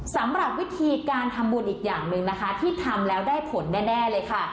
สำหรับวิธีการทำบุญอีกอย่างหนึ่งนะคะที่ทำแล้วได้ผลแน่เลยค่ะ